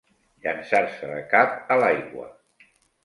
Llançar-se de cap a l'aigua.